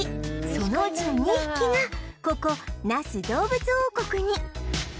そのうちの２匹がここ那須どうぶつ王国に